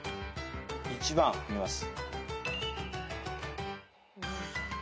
１番見ます。